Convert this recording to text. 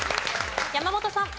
山本さん。